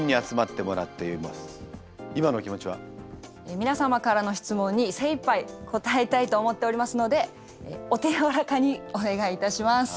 皆様からの質問に精いっぱい答えたいと思っておりますのでお手柔らかにお願いいたします。